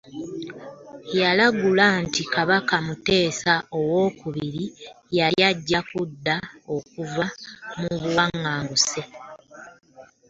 Yalagula nti Kabaka Muteesa Owookubiri yali ajja kudda okuva mu buwanganguse.